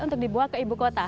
untuk dibawa ke ibu kota